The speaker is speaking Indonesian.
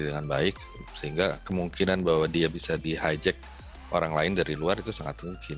dengan baik sehingga kemungkinan bahwa dia bisa di hijack orang lain dari luar itu sangat mungkin